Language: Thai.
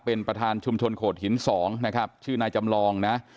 เป็นประธานชุมชนโขดหิน๒นะครับชื่อนายจำลองนะ